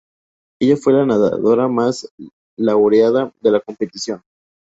Ella fue la nadadora más laureada de la competición.